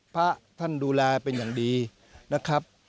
พระท่านดูแลเป็นอย่างดีนะครับ